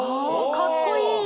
かっこいい！